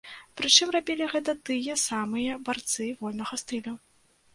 Прычым рабілі гэта тыя самыя барцы вольнага стылю.